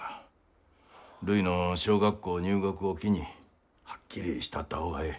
るいの小学校入学を機にはっきりしたった方がええ。